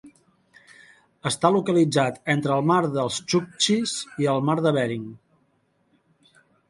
Està localitzat entre el Mar dels Txuktxis i el Mar de Bering.